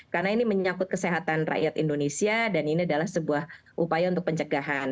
karena ini menyakut kesehatan rakyat indonesia dan ini adalah sebuah upaya untuk pencegahan